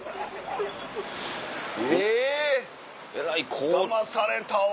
えぇだまされたわ